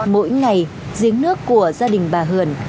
mỗi ngày giếng nước của gia đình bà hường